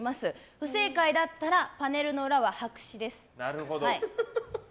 不正解だったらパネルの裏は白紙です。